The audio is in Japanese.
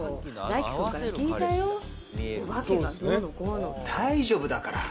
大丈夫だから。